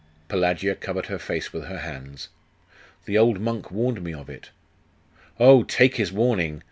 Pelagia covered her face with her hands 'The old monk warned me of it!' 'Oh, take his warning....